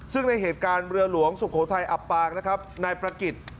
ซึ่งในเหตุการณ์เรือหลวงโสโครไทยอัปปานายประกิจ